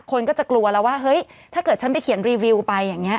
คนก็จะกลัวว่าถ้าเกิดฉันไปเขียนรีวิวไป